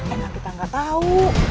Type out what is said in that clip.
enggak kita enggak tahu